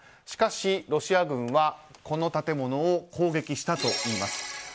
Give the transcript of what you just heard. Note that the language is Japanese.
しかし、ロシア軍はこの建物を攻撃したといいます。